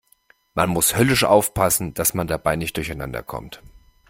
Man muss höllisch aufpassen, dass man dabei nicht durcheinander kommt.